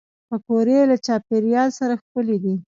پکورې له چاپېریال سره ښکلي دي